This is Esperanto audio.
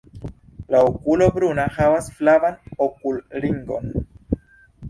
La okulo bruna havas flavan okulringon.